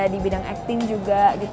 di bidang acting juga gitu